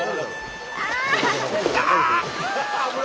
ああ！